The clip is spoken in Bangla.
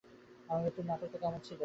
আমার মৃত্যুর নাটকটা কেমন ছিলো?